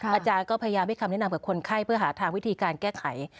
อาจารย์ก็พยายามให้คำแนะนำกับคนไข้เพื่อหาทางวิธีการแก้ไข